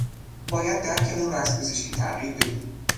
باید درکمون رو از پزشکی تغییر بدیم